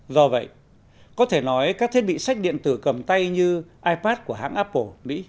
do vậy có thể nói các thiết bị sách điện tử cầm tay như ipad của hãng apple